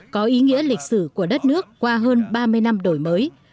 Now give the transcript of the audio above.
có ý nghĩa lịch sử của đất nước qua hơn ba mươi năm đổi mới